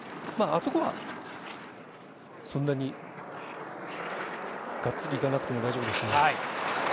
あそこは、そんなにがっつり行かなくても大丈夫ですね。